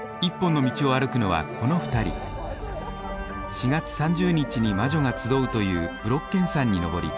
４月３０日に魔女が集うというブロッケン山に登り